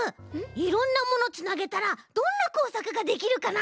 いろんなものつなげたらどんなこうさくができるかな？